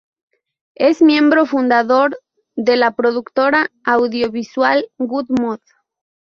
Es miembro fundador de la productora audiovisual Good Mood.